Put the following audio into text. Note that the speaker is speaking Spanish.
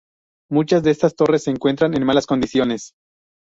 Muchas de estas torres se encuentran en malas condiciones.